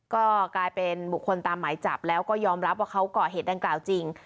ก็กลายเป็นบุคคลตามหมายจับแล้วก็ยอมรับว่าเขาก่อเหตุดังกล่าวจริง